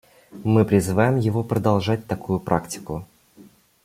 Мы призываем его продолжать такую практику.